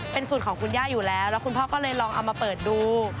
เป็นสูตรของคุณย่าอยู่แล้วแล้วคุณพ่อก็เลยลองเอามาเปิดดู